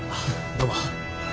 どうも。